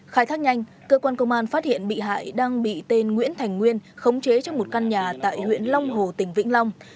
khai thác nhanh cơ quan công an phát hiện bị hại đang bị tên nguyễn thành nguyên khống chế trong một căn nhà tại huyện long hồ tỉnh vĩnh long